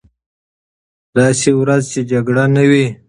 داسې ورځ چې جګړه نه وي.